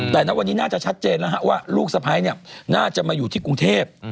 แต่ณวันนี้น่าจะชัดเจนแล้วว่าลูกสะพ้ายน่าจะมาอยู่ที่กรุงเทพ